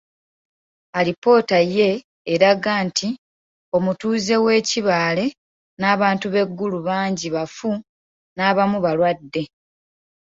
Alipoota ye eraga nti omutuuze w'e Kibaale n'abantu b'e Gulu bangi bafu n'abamu balwadde.